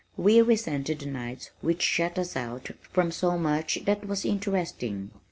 We resented the nights which shut us out from so much that was interesting.